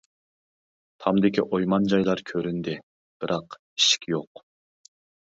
تامدىكى ئويمان جايلار كۆرۈندى بىراق ئىشىك يوق.